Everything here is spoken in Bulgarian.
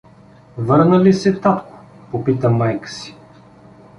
— Върна ли се татко? — попита майка си.